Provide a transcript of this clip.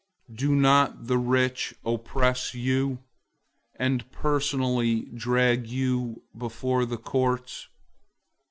Don't the rich oppress you, and personally drag you before the courts?